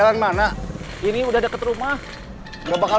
demi ada temuduan